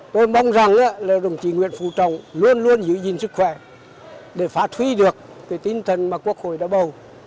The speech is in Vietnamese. tôi mong rằng là đồng chí nguyễn phú trọng luôn luôn giữ gìn sức khỏe để phát huy được cái tinh thần mà quốc hội đã bầu